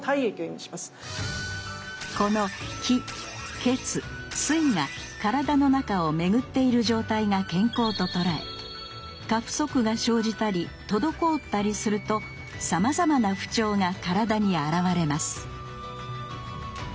この気・血・水が体の中を巡っている状態が健康と捉え過不足が生じたり滞ったりするとさまざまな不調が体に現れます